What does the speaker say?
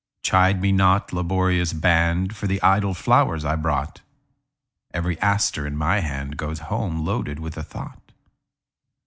Chide me not, laborious band, For the idle flowers I brought; Every aster in my handGoes home loaded with a thought.